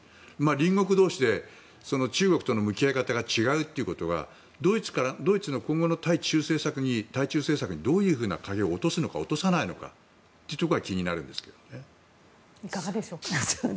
隣国同士で中国との向き合い方が違うというのはドイツの今後の対中政策にどういうふうな影を落とすのか、落とさないのかというところがいかがでしょうか。